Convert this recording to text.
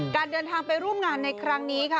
การเดินทางไปร่วมงานในครั้งนี้ค่ะ